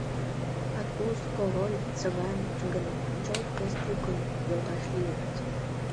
А Туз, Король, Цыган гын чылт вес тӱкын йолташ лийыныт.